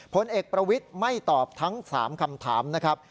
ผลเอกประวิทย์ไม่ตอบทั้ง๓คำถามนะครับ